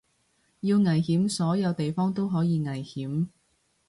要危險所有地方都可以危險